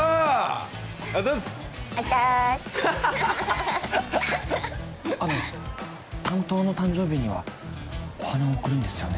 あざっすあざっすあの担当の誕生日にはお花を贈るんですよね？